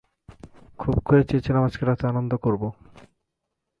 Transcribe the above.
খুব করে চেয়েছিলাম আজকে রাতে আনন্দ করবো।